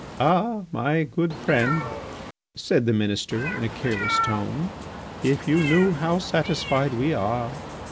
"Ah! my friend," said the Minister, in a careless tone, "if you knew how satisfied we are.